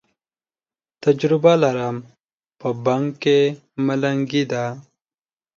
تجره لرم، په بنګ کې ملنګي ده